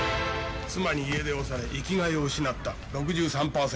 妻に家出をされ生きがいを失った。